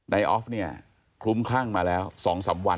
ออฟเนี่ยคลุ้มคลั่งมาแล้ว๒๓วัน